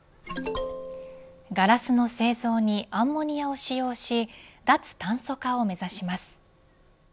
ガラスの製造にアンモニアを使用し脱炭素化を目指します。